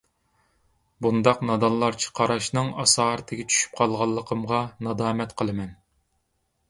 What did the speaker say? بۇنداق نادانلارچە قاراشنىڭ ئاسارىتىگە چۈشۈپ قالغانلىقىمغا نادامەت قىلىمەن.